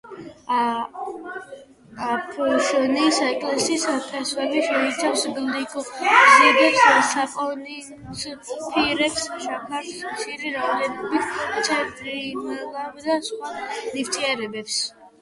ფშნის ეკლის ფესვები შეიცავს გლიკოზიდებს, საპონინს, ფირებს, შაქარს, მცირე რაოდენობით მთრიმლავ და სხვა ნივთიერებებს.